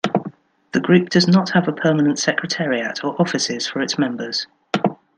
The group does not have a permanent secretariat, or offices for its members.